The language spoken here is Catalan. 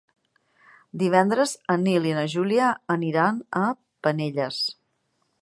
Divendres en Nil i na Júlia aniran a Penelles.